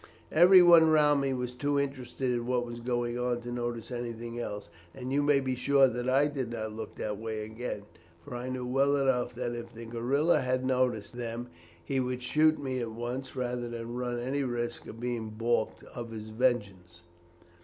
"Everyone round me was too interested in what was going on to notice anything else; and you may be sure that I did not look that way again, for I knew well enough that if the guerilla had noticed them he would shoot me at once rather than run any risk of being baulked of his vengeance.